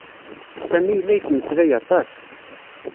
Sami yella yettmeslay aṭas.